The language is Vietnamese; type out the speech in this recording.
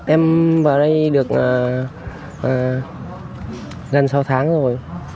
em vào đây được gần sáu tháng rồi